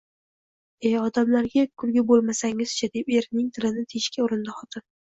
– E, odamlarga kulki bo‘lmasangiz-chi! – deb erining tilini tiyishga urindi xotin